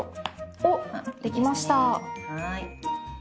おっできました！